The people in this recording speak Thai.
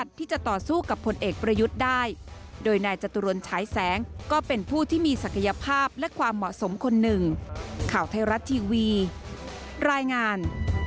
ที่วีรายงาน